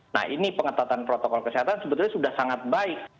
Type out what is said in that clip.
nah ini pengetatan protokol kesehatan sebetulnya sudah sangat baik